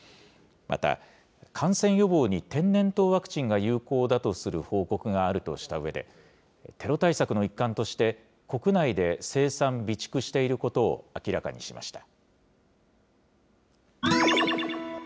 また、感染予防に天然痘ワクチンが有効だとする報告があるとしたうえで、テロ対策の一環として、国内で生産・備蓄していることを明らかにしました。